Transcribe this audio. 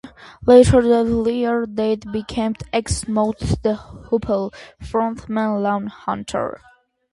Later that year they backed ex-Mott the Hoople frontman Ian Hunter.